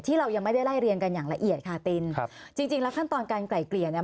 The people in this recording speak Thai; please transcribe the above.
เรายังไม่ได้ไล่เรียงกันอย่างละเอียดค่ะตินครับจริงจริงแล้วขั้นตอนการไกล่เกลี่ยเนี่ย